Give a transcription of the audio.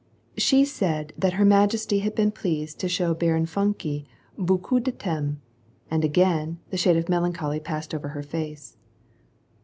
She said that her majesty had been pleased to show Baron Funke beaucoup d'estinief and again the shade of melancholy passed over her face.